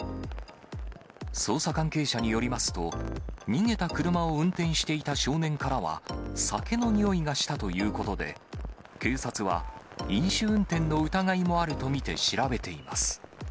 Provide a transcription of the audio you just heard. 捜査関係者によりますと、逃げた車を運転していた少年からは、酒のにおいがしたということで、警察は、飲酒運転の疑いもあると見て調べています。